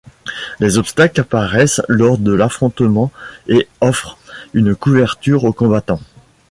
Des obstacles apparaissent lors de l'affrontement et offrent une couverture aux combattants.